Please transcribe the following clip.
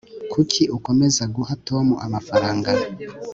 kuki ukomeza guha tom amafaranga